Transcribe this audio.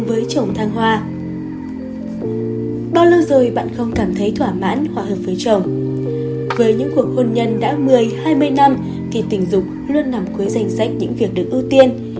với những cuộc hôn nhân đã một mươi hai mươi năm thì tình dục luôn nằm cuối danh sách những việc được ưu tiên